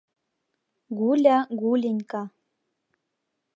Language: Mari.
Гуля, Гуленька.